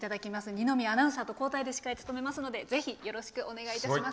二宮アナウンサーと交代で司会を務めますのでぜひよろしくお願いします。